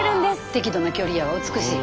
適度な距離やわ美しい。